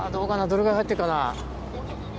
どれぐらい入ってるかな？